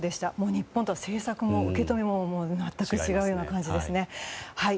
日本とは政策も受け止めも全く違うような感じですね。